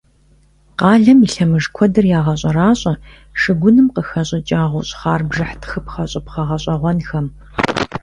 Къалэм и лъэмыж куэдыр ягъэщӀэращӀэ шыгуным къыхэщӀыкӀа гъущӀхъар бжыхь тхыпхъэщӀыпхъэ гъэщӀэгъуэнхэм.